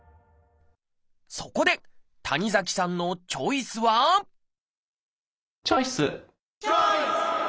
そこで谷崎さんのチョイスはチョイス！